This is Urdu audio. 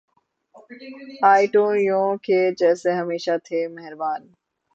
آئے تو یوں کہ جیسے ہمیشہ تھے مہرباں